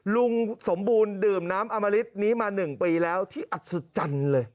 ลุงสมบูรณ์ดื่มน้ำอมริตนี้มา๑ปีแล้วที่อัศจรรย์เลย